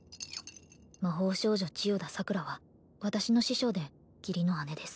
魔法少女千代田桜は私の師匠で義理の姉です